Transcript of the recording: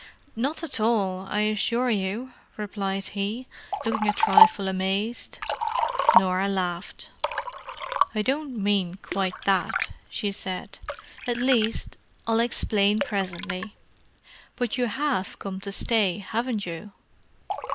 "Not at all, I assure you," replied he, looking a trifle amazed. Norah laughed. "I don't mean quite that," she said—"at least I'll explain presently. But you have come to stay, haven't you?"